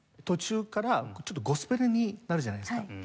途中からちょっとゴスペルになるじゃないですか。